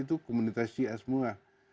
itu komunitas syiah semua